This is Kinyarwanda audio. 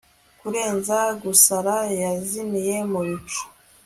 kurenza gusara, yazimiye mu bicu